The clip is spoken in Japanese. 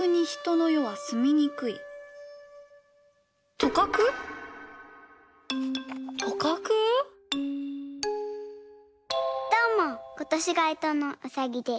どうもことしがえとのうさぎです。